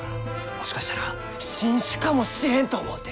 もしかしたら新種かもしれんと思うて！